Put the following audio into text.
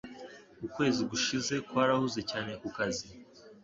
Ukwezi gushize kwarahuze cyane kukazi